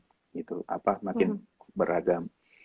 gitu makin beragam